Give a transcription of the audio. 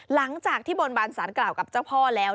หลังจากที่บนบานสารกล่าวกับเจ้าพ่อแล้ว